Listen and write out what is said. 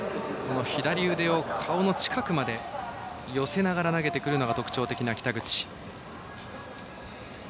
左腕を顔の近くまで寄せながら投げてくるのが特徴的な北口。